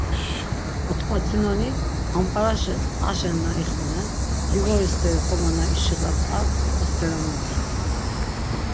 Ot̆k̆vatsinoni, ǩamp̌araşi qaşen na ixvenen, livori steri xoma na işiğaps ar osteramoni ren.